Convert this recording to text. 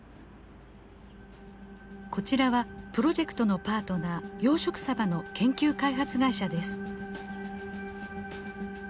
こちらはプロジェクトのパートナー養殖サバの研究開発会社です。